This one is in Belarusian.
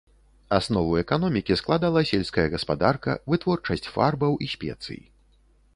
Аснову эканомікі складала сельская гаспадарка, вытворчасць фарбаў і спецый.